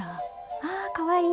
あかわいい！